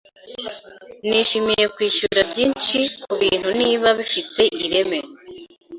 Nishimiye kwishyura byinshi kubintu niba bifite ireme.